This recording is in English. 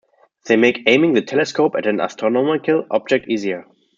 They make aiming the telescope at an astronomical object easier.